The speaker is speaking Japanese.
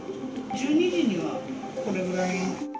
１２時にはこれぐらい。